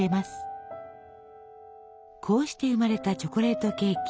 こうして生まれたチョコレートケーキ